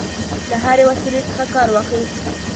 له هري وسیلې څخه کارواخیست.